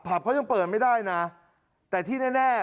เขายังเปิดไม่ได้นะแต่ที่แน่